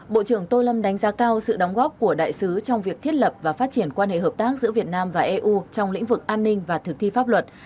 bộ trưởng tô lâm đánh giá cao sự đóng góp của đại sứ trong việc thiết lập và phát triển quan hệ hợp tác giữa việt nam và eu trong lĩnh vực an ninh và thực thi pháp luật